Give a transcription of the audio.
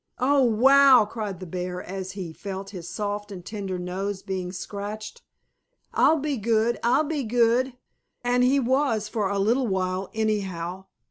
"Oh, wow!" cried the bear, as he felt his soft and tender nose being scratched. "I'll be good! I'll be good!" And he was, for a little while, anyhow.